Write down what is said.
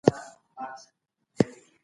تاسو ولي په خپله پلمې باندي دومره باور کوئ؟